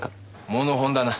モノホンだな。